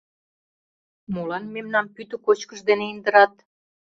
— Молан мемнам пӱтӧ кочкыш дене индырат?